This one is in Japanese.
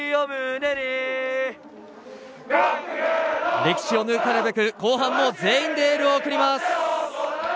歴史を塗り替えるべく後半も全員でエールを送ります。